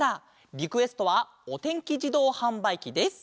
リクエストは「おてんきじどうはんばいき」です。